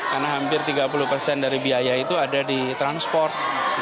karena hampir tiga puluh persen dari biaya itu ada di transport